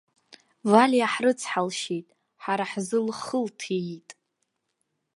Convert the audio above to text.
Валиа ҳрыцҳалшьеит, ҳара ҳзы лхы лҭиит.